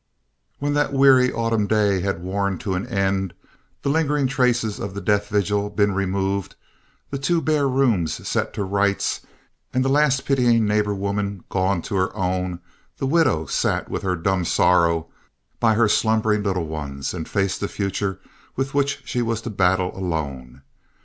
When that weary autumn day had worn to an end, the lingering traces of the death vigil been removed, the two bare rooms set to rights, and the last pitying neighbor woman gone to her own, the widow sat with her dumb sorrow by her slumbering little ones, and faced the future with which she was to battle alone.